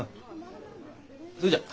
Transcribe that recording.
それじゃ。